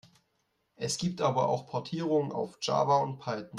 Es gibt aber auch Portierungen auf Java und Python.